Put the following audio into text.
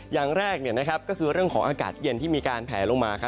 อย่างแรกก็คือเรื่องของอากาศเย็นที่มีการแผลลงมา